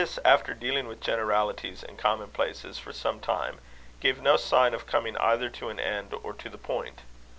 This, after dealing with generalities and commonplaces for some time, gave no sign of coming either to an end or to the point.